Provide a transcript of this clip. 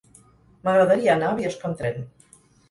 M'agradaria anar a Biosca amb tren.